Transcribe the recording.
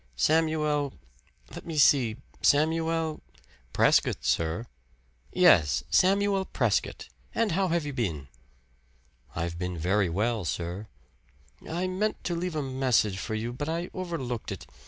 "Samuel let me see Samuel " "Prescott, sir." "Yes Samuel Prescott. And how have you been?" "I've been very well, sir." "I meant to leave a message for you, but I overlooked it.